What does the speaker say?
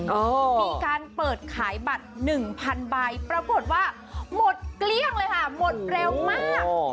มีการเปิดขายบัตรหนึ่งพันใบปรากฏว่าหมดเกลี้ยงเลยค่ะหมดเร็วมาก